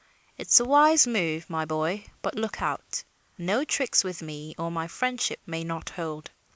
It's a wise move, my boy, but look out! No tricks with me or my friendship may not hold.